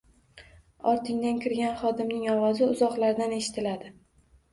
Ortingdan kirgan xodimning ovozi uzoqlardan eshitiladi.